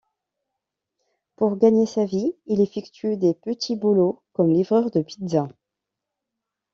Pour gagner sa vie, il effectue des petits boulots, comme livreur de pizza.